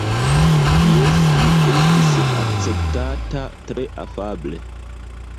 Jes, li estis akceptata tre afable.